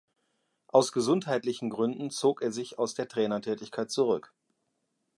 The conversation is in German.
Aus gesundheitlichen Gründen zog er sich aus der Trainertätigkeit zurück.